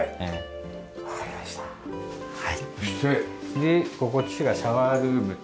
でこっちがシャワールームと。